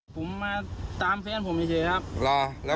ผมมาตามเพลินผมนี่แสนครับ